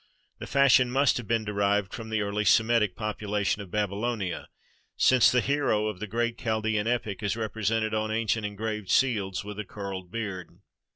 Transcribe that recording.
The fash ion must have been derived from the early Semitic popu lation of Babylonia, since the hero of the great Chal daean epic is represented on ancient engraved seals with a curled beard.